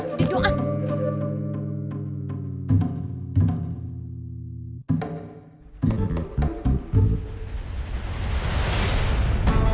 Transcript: tidak ada tanah tanah